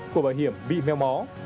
của bảo hiểm bị meo mó